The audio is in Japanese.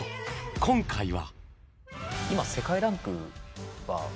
今回は。